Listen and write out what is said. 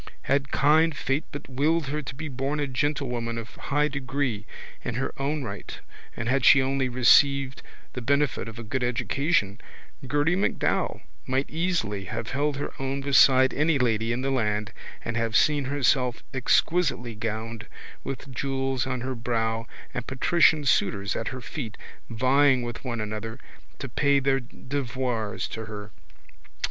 Had kind fate but willed her to be born a gentlewoman of high degree in her own right and had she only received the benefit of a good education Gerty MacDowell might easily have held her own beside any lady in the land and have seen herself exquisitely gowned with jewels on her brow and patrician suitors at her feet vying with one another to pay their devoirs to her.